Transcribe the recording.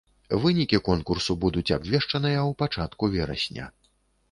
Вынікі конкурсу будуць абвешчаныя ў пачатку верасня.